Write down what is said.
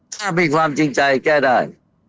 ถ้ามีความจริงใจแก้ได้